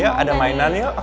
iya ada mainan yuk